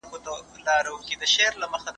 آیا ته چمتو یې چې زما پټه خبره واورې؟